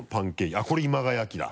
あっこれ今川焼きだ。